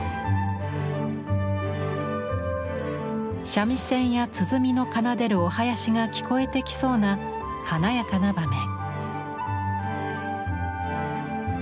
三味線や鼓の奏でるお囃子が聞こえてきそうな華やかな場面。